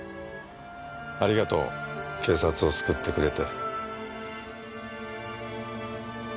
ありがとう警察を救ってくれて。